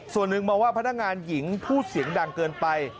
ส่วนหนึ่งมองว่าพนักงานหญิงพูดเสียงดังเกินไป